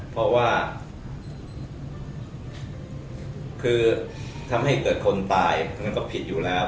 เพราะว่าคือทำให้เกิดคนตายอันนั้นก็ผิดอยู่แล้ว